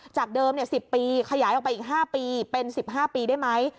จากเดิม๑๐ปีขยายออกไปอีก๕ปีเป็น๑๕ปีได้ไหม